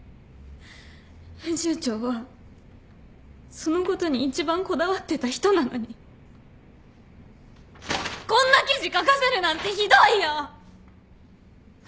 編集長はそのことに一番こだわってた人なのにこんな記事書かせるなんてひどいよ！